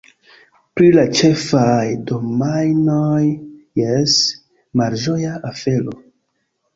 Pri la ĉefaj domajnoj, jes, malĝoja afero.